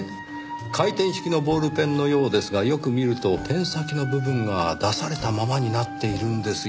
回転式のボールペンのようですがよく見るとペン先の部分が出されたままになっているんですよ。